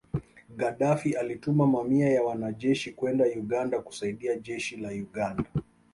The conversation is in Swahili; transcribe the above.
Gadaffi alituma mamia ya wanajeshi kwenda Uganda kusaidia Jeshi la Uganda